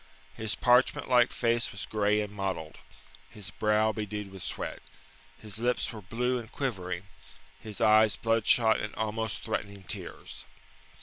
His parchment like face was grey and mottled, his brow bedewed with sweat; his lips were blue and quivering, his eyes bloodshot and almost threatening tears.